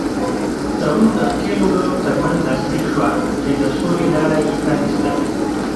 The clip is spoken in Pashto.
تړون د ښکېلو ډلو تر منځ لاسلیک شوه چې د سولې لاره یې پرانیسته.